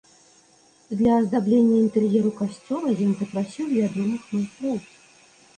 Для аздаблення інтэр'еру касцёла ён запрасіў вядомых майстроў.